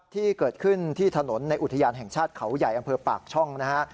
ที่เกิดขึ้นที่ถนนในอุทยานแห่งชาติเขาใหญ่อำเภอปากช่องนะฮะ